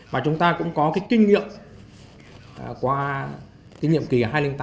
và chúng ta cũng có cái kinh nghiệm qua kinh nghiệm kỳ hai nghìn tám hai nghìn chín